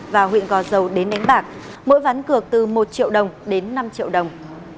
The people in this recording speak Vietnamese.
và huyện gò dầu đến đánh bạc mỗi ván cược từ một triệu đồng đến năm triệu đồng